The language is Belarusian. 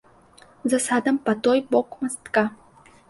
За садам, па той бок мастка.